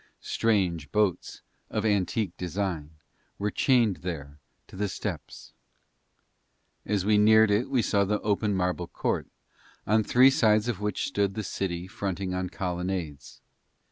Strange boats of antique design were chained there to the steps. As we neared it we saw the open marble court, on three sides of which stood the city fronting on colonnades.